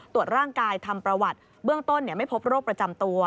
ตรวจร่างกายทำประวัติเบื้องต้นไม่พบโรคประจำตัว